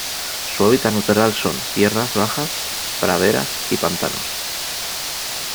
Su hábitat natural son: tierras bajas praderas y pantanos.